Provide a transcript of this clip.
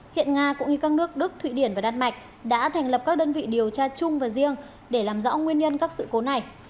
hiện nga cũng như các nước đức thụy điển và đan mạch đã thành lập các đơn vị điều tra chung và riêng để làm rõ nguyên nhân các sự cố này